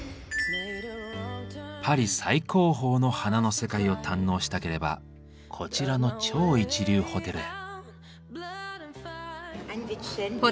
パリ最高峰の「花の世界」を堪能したければこちらの超一流ホテルへ。